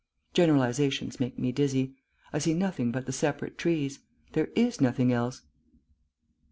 Generalisations make me dizzy. I see nothing but the separate trees. There is nothing else...."